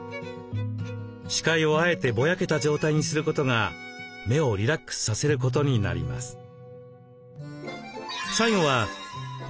視界をあえてぼやけた状態にすることが目をリラックスさせることになります。